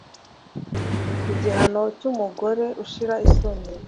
igihano cy’umugore ushira isoni